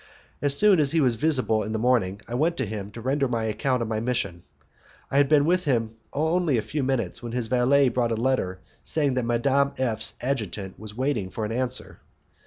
As soon as he was visible in the morning I went to him to render an account of my mission. I had been with him only a few minutes when his valet brought a letter saying that Madame F 's adjutant was waiting for an answer.